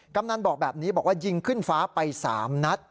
กำนันบอกแบบนี้บอกว่ายิงขึ้นฟ้าไป๓นัด